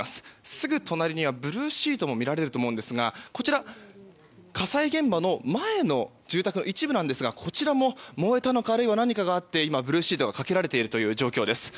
すぐ隣にはブルーシートもみられると思うんですがこちら、火災現場の前の住宅の一部なんですがこちらも燃えたのかあるいは何かがあってブルーシートがかけられているという状況です。